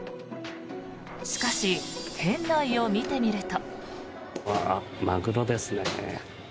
しかし、店内を見てみると。